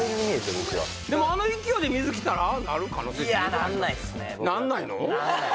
僕はでもあの勢いで水来たらああなる可能性いやなんないっすね